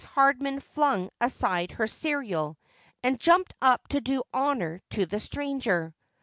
Hardman flung aside her serial, and jumped up to do honour to the stranger.